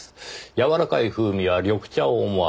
やわらかい風味は緑茶を思わせる。